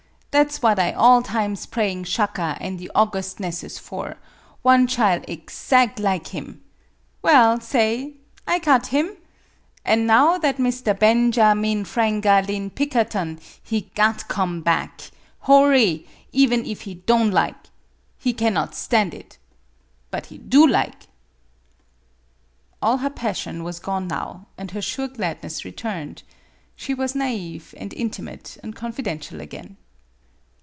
Tha' 's what I all times praying Shaka an' the augustnesses for one chile ezag' lig him. Well, sa qyf I got him. An' now that Mr. Ben ja meen Frang a leen Pikker ton he got come back hoarry even if he don' lig. He cannot stand it. But he do lig." All her passion was gone now, and her sure gladness returned. She was nai've and intimate and confidential again.